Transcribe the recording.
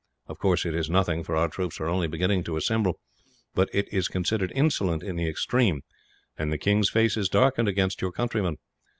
Of course it is nothing, for our troops are only beginning to assemble; but it is considered insolent in the extreme, and the king's face is darkened against your countrymen.